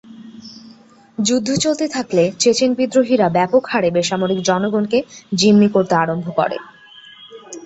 যুদ্ধ চলতে থাকলে চেচেন বিদ্রোহীরা ব্যাপক হারে বেসামরিক জনগণকে জিম্মি করতে আরম্ভ করে।